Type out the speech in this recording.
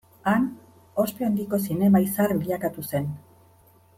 Han ospe handiko zinema-izar bilakatu zen.